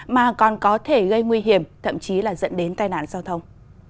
mà còn có thể gây nguy hiểm thậm chí là dẫn đến tai nạn giao thông